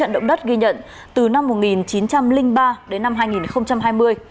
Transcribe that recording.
trận động đất ghi nhận từ năm một nghìn chín trăm linh ba đến năm hai nghìn hai mươi